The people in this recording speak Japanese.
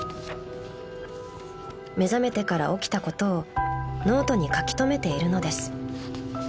［目覚めてから起きたことをノートに書き留めているのです］